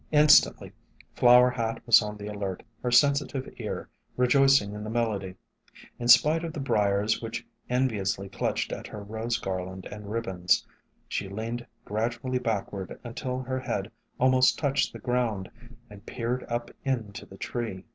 Instantly Flower Hat was on the alert, her sensitive ear rejoicing in the melody. In spite of the briars which enviously clutched at her rose garland and ribbons, she leaned gradually backward, until her head almost touched the ground, and peered up into the tree.